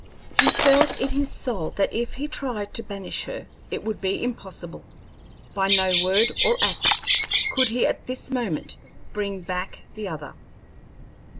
He felt in his soul that if he tried to banish her it would be impossible; by no word or act could he at this moment bring back the other.